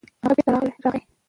هغه بېرته راغی.